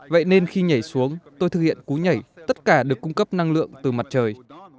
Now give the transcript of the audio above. vậy nên khi nhảy xuống tôi thực hiện cú nhảy tất cả được cung cấp năng lượng từ mặt trời